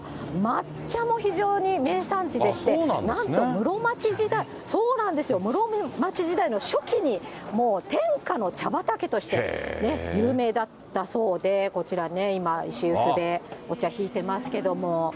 でも実は、抹茶も非常に名産地でして、なんと室町時代の初期にもう天下の茶畑として有名だったそうで、こちらね、今、石臼でお茶、ひいてますけども。